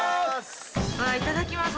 うわいただきます